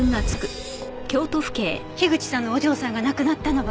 口さんのお嬢さんが亡くなったのは。